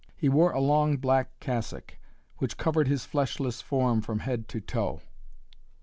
He wore a long black cassock, which covered his fleshless form from head to toe.